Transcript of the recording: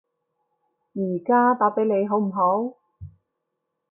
而家打畀你好唔好？